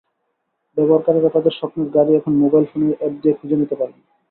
ব্যবহারকারীরা তাদের স্বপ্নের গাড়ি এখন মোবাইল ফোনের অ্যাপ দিয়ে খুঁজে নিতে পারবেন।